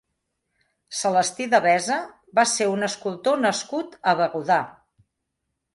Celestí Devesa va ser un escultor nascut a Begudà.